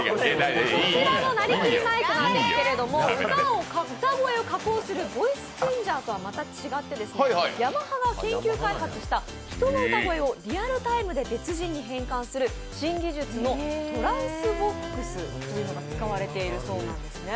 このなりきりマイクなんですけども歌声を加工するボイスチェンジャーとはまた違って、ヤマハが研究開発した人の歌声をリアルタイムで別人に変換する新技術のＴｒａｎｓＶｏｘというのが使われてるそうなんですね。